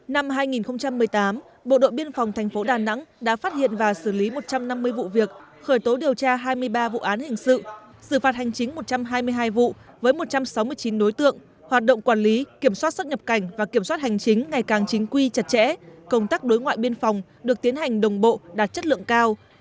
năm hai nghìn một mươi tám bộ đội biên phòng tp đà nẵng đã phát hiện và xử lý một trăm năm mươi vụ việc khởi tố điều tra hai mươi ba vụ án hình sự xử phạt hành chính một trăm hai mươi hai vụ với một trăm sáu mươi chín đối tượng hoạt động quản lý kiểm soát xuất nhập cảnh và kiểm soát hành chính ngày càng chính quy chặt chẽ công tác đối ngoại biên phòng được tiến hành đồng bộ đạt chất lượng cao